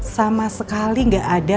sama sekali gak ada